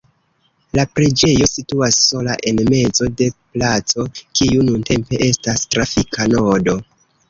La preĝejo situas sola en mezo de placo, kiu nuntempe estas trafika nodo.